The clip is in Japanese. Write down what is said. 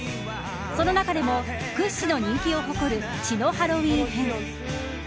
その中でも、屈指の人気を誇る血のハロウィン編。